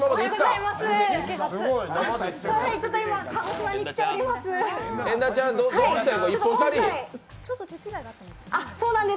今、鹿児島に来ております。